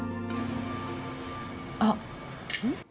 あっ。